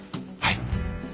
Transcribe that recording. はい。